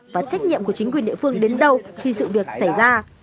và trách nhiệm của chính quyền địa phương đến đâu khi sự việc xảy ra